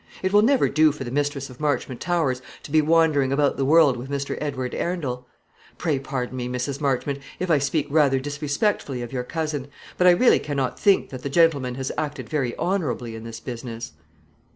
It will never do for the mistress of Marchmont Towers to be wandering about the world with Mr. Edward Arundel. Pray pardon me, Mrs. Marchmont, if I speak rather disrespectfully of your cousin; but I really cannot think that the gentleman has acted very honourably in this business."